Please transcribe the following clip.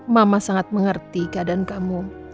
mama sangat mengerti keadaan kamu